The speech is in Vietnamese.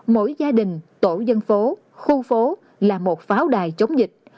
mỗi gia đình tổ dân phố khu phố là một pháo đài chống dịch